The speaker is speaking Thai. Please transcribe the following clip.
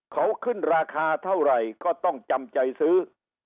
เขาขึ้นราคาเท่าไหร่ก็ต้องจำใจซื้อ